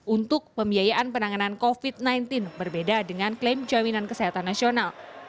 untuk pembiayaan penanganan covid sembilan belas berbeda dengan klaim jaminan kesehatan nasional